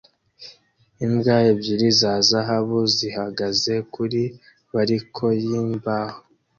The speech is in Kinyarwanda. Imbwa ebyiri za zahabu zihagaze kuri bariko yimbaho